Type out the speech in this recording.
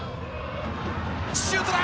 シュートだ！